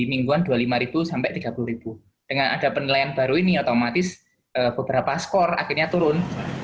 mingguan dua puluh lima sampai tiga puluh dengan ada penilaian baru ini otomatis beberapa skor akhirnya turun